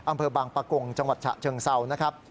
อำเภอบางปะกงจังหวัดฉะเชิงเซานะครับ